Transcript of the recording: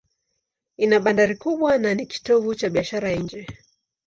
Ina bandari kubwa na ni kitovu cha biashara ya nje.